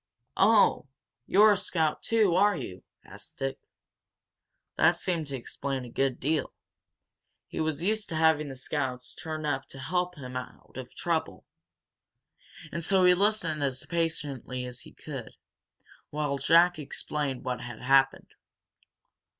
"Oh, you're a scout, too, are you?" asked Dick. That seemed to explain a good deal. He was used to having scouts turn up to help him out of trouble. And so he listened as patiently as he could, while Jack explained what had happened.